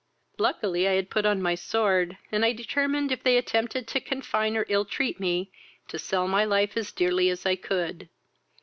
I luckily had put on my sword, and I determined, if they attempted to confine or ill treat me, to sell my life as dearly as I could.